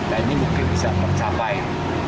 dan ini mungkin bisa mencapai